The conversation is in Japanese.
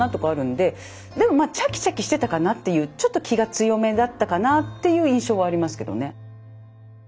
でもまあちゃきちゃきしてたかなっていうちょっと気が強めだったかなっていう印象はありますけどね。